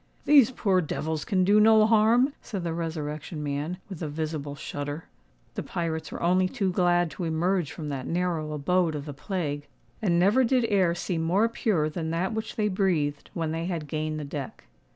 "These poor devils can do no harm," said the Resurrection Man, with a visible shudder. The pirates were only too glad to emerge from that narrow abode of the plague; and never did air seem more pure than that which they breathed when they had gained the deck.